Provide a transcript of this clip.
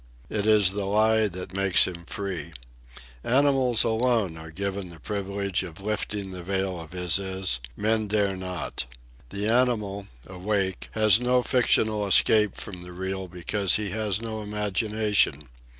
It is the Lie that makes him free. Animals alone are given the privilege of lifting the veil of Isis; men dare not. The animal, awake, has no fictional escape from the Real because he has no imagination.